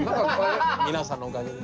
皆さんのおかげです。